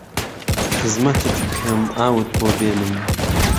خزمهتت پکەم ئاوت بۆ بێنم